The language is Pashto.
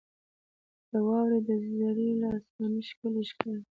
• د واورې ذرې له اسمانه ښکلي ښکاري.